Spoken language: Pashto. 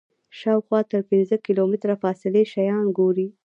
شاوخوا تر پنځه کیلومتره فاصلې شیان ګوري.